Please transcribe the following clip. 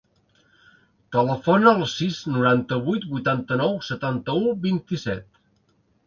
Telefona al sis, noranta-vuit, vuitanta-nou, setanta-u, vint-i-set.